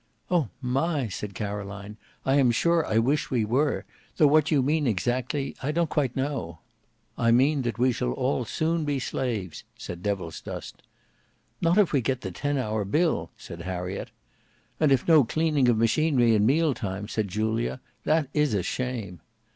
"Oh! my," said Caroline. "I am sure I wish we were; though what you mean exactly I don't quite know." "I mean that we shall all soon be slaves," said Devilsdust. "Not if we get the Ten Hour Bill," said Harriet. "And no cleaning of machinery in meal time," said Julia; "that is a shame."